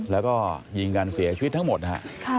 แล้วก็ยิงกันเสียชีวิตทั้งหมดนะฮะ